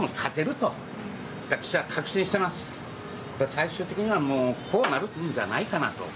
最終的にはこうなるんじゃないかなと。